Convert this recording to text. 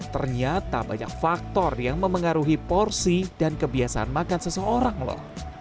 ternyata banyak faktor yang memengaruhi porsi dan kebiasaan makan seseorang loh